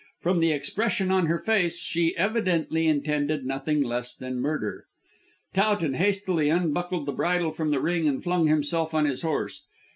From the expression on her face she evidently intended nothing less than murder. Towton hastily unbuckled the bridle from the ring and flung himself on his horse.